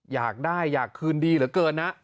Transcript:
อยากได้อยากคืนดีเหลือเกินนะ